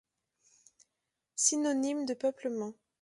Synonyme de peuplement.